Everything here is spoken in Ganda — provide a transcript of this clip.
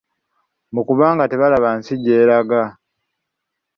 Mbu kubanga tebalaba nsi gy'eraga!